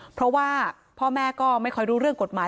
เพราะว่าพ่อแม่ก็ไม่ค่อยรู้เรื่องกฎหมาย